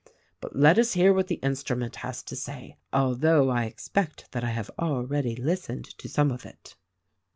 But, let us hear what the instrument has to say; although, I expect that I have already listened to some of it."